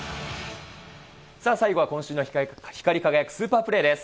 さあ最後は今週の光り輝くスーパープレーです。